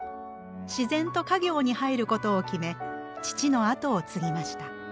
自然と家業に入ることを決め父の後を継ぎました。